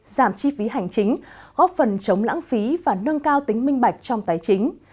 giảm chi phí hành chính góp phần chống lãng phí và nâng cao tính minh bạch trong tài chính